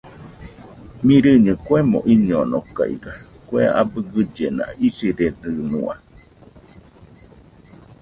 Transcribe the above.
Mɨrɨño kuemo iñonokaiga kue abɨ gɨllena isiredɨnua.